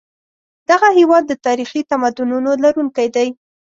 دغه هېواد د تاریخي تمدنونو لرونکی دی.